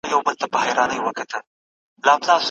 احتکار باید په بشپړه توګه له منځه ولاړ سي.